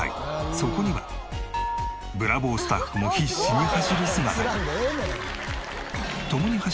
そこには『ブラボー』スタッフも必死に走る姿が。